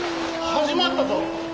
始まったぞ。